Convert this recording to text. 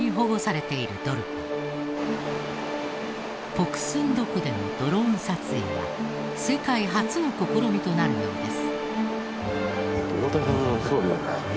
ポクスンド湖でのドローン撮影は世界初の試みとなるのです。